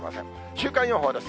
週間予報です。